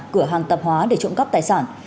cửa hàng tập hóa để trộm cắp tài sản